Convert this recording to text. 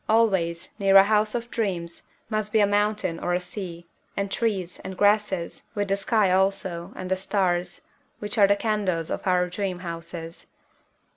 Always, near a House of Dreams, must be a mountain or a sea, and trees, and grasses, with the sky also, and the stars, which are the candles of our dream houses.